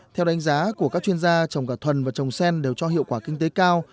theo đánh giá của các chuyên gia trồng cả thuần và trồng sen đều cho hiệu quả kinh tế cao